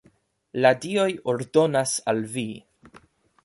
La dioj ordonas al vi!